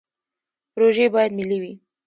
پروژې باید ملي وي